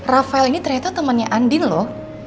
rafael ini ternyata temannya andin loh